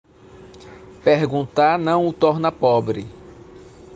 Perguntar não o torna pobre.